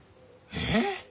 えっ！？